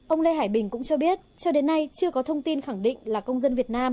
ông lê hải bình cũng cho biết cho đến nay chưa có thông tin khẳng định là công dân việt nam